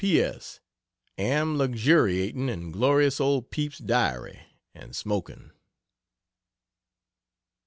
P. S. Am luxuriating in glorious old Pepy's Diary, and smoking.